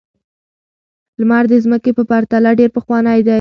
لمر د ځمکې په پرتله ډېر پخوانی دی.